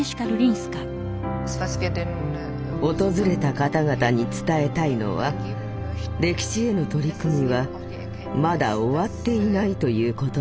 訪れた方々に伝えたいのは歴史への取り組みはまだ終わっていないということなんです。